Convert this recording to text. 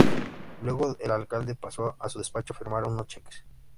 Luego el alcalde pasó a su despacho a firmar unos cheques.